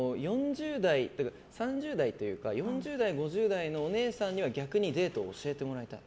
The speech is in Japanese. ４０代、５０代のお姉さんには逆にデートを教えてもらいたい。